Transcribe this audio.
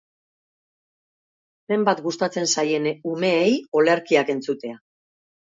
Zenbat gustatzen zaien umeei olerkiak entzutea!